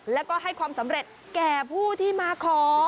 แล้วก็ให้ความสำเร็จแก่ผู้ที่มาขอ